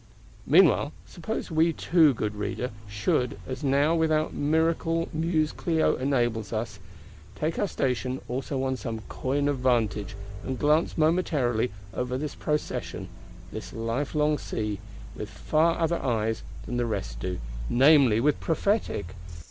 Meanwhile, suppose we too, good Reader, should, as now without miracle Muse Clio enables us—take our station also on some coign of vantage; and glance momentarily over this Procession, and this Life sea; with far other eyes than the rest do, namely with prophetic?